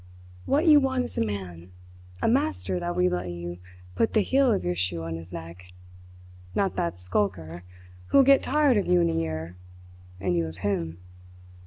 What you want is a man, a master that will let you put the heel of your shoe on his neck; not that skulker, who will get tired of you in a year and you of him.